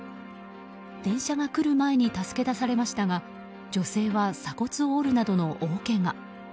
電車が来る前に助け出されましたが女性は鎖骨を折るなどの大けが。